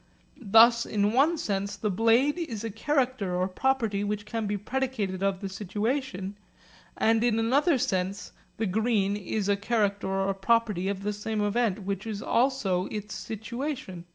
Thus in one sense the blade is a character or property which can be predicated of the situation, and in another sense the green is a character or property of the same event which is also its situation.